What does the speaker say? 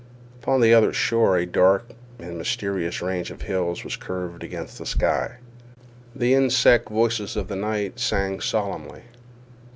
Upon the other shore a dark and mysterious range of hills was curved against the sky. The insect voices of the night sang solemnly.